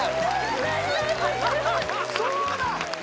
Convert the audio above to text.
そうだ！